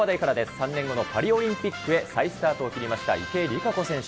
３年後のパリオリンピックへ再スタートを切りました池江璃花子選手。